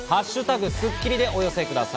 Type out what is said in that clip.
「＃スッキリ」でお寄せください。